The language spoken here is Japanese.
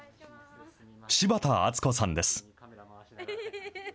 柴田敦巨さんです。